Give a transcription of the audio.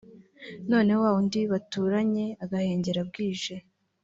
noneho wa wundi baturanye agahengera bwije